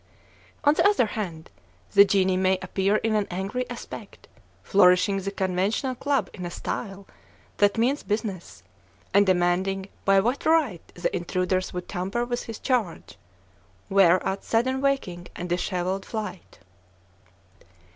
On the other hand, the genie may appear in an angry aspect, flourishing the conventional club in a style that means business, and demanding by what right the intruders would tamper with his charge; whereat sudden waking and dishevelled flight.